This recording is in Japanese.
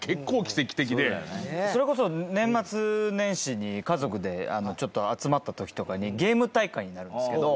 浅利：それこそ、年末年始に家族で集まった時とかにゲーム大会になるんですけど。